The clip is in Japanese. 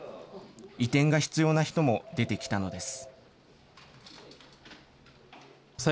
移転が必要な人も出てきたのです。